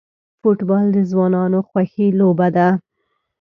فوټبال د ځوانانو خوښی لوبه ده.